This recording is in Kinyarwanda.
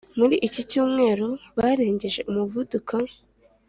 muri iki cyumweru barengeje umuvuduko